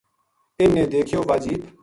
اِ ن نے دیکھیو واہ جیپ